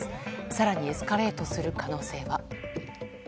更にエスカレートする可能性が。